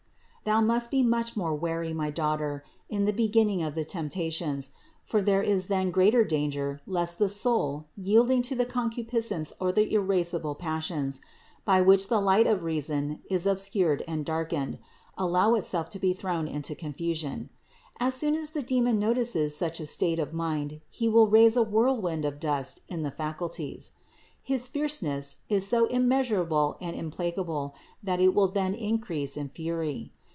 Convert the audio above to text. Thou must be much more wary, my daughter, in the beginning of the temptations; for there is then greater danger lest the soul, yielding to the concupiscent or the irascible passions, by which the light of reason is obscured and darkened, allow itself to be thrown into confusion. As soon as the demon notices such a state of mind he will raise a whirlwind of dust in the faculties. His fierceness is so immeasurable and implacable that it will then increase in fury.